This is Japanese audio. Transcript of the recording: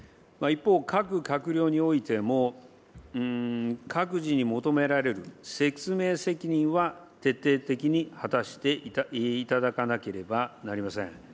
一方、各閣僚においても、各自に求められる説明責任は、徹底的に果たしていただかなければなりません。